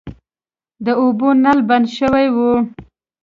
د اوبو نل بند شوی و.